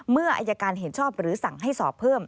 เมื่ออายการเห็นชอบหรือสั่งให้สอบเพิ่ม